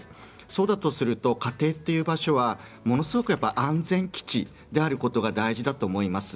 そうだとすると、家庭という場所はものすごく安全基地であることが大事だと思います。